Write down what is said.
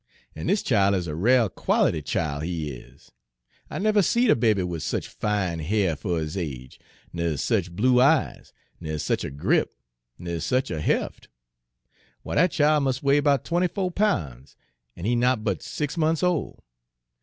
An' dis chile is a rale quality chile, he is, I never seed a baby wid sech fine hair fer his age, ner sech blue eyes, ner sech a grip, ner sech a heft. W'y, dat chile mus' weigh 'bout twenty fo' poun's, an' he not but six mont's ole.